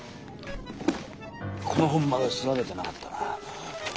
この本まだ調べてなかったな。